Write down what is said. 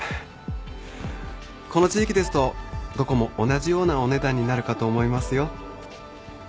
この地域ですとどこも同じようなお値段になるかと思いますよ。